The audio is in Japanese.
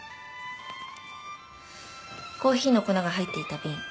コーヒーの粉が入っていた瓶。